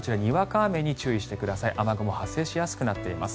雨雲発生しやすくなっています。